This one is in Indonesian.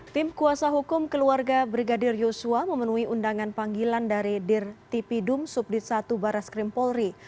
tim kuasa hukum keluarga brigadir yosua memenuhi undangan panggilan dari dirtipidum subdit satu baras krim polri